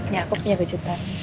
ya aku punya kejutan